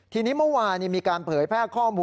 ทีนี้เมื่อวานมีการเผยแพร่ข้อมูล